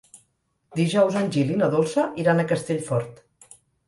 Dijous en Gil i na Dolça iran a Castellfort.